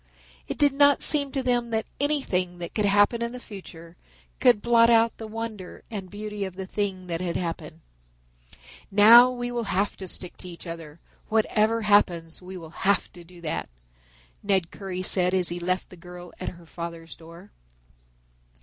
It did not seem to them that anything that could happen in the future could blot out the wonder and beauty of the thing that had happened. "Now we will have to stick to each other, whatever happens we will have to do that," Ned Currie said as he left the girl at her father's door.